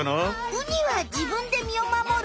ウニはじぶんで身を守る。